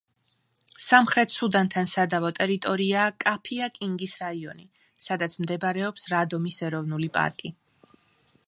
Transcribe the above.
სამხრეთ სუდანთან სადავო ტერიტორიაა კაფია-კინგის რაიონი, სადაც მდებარეობს რადომის ეროვნული პარკი.